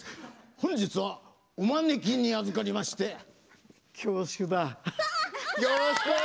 本日はお招きに預かりまして恐縮だ。